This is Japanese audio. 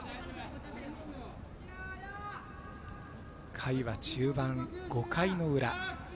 回は中盤、５回の裏。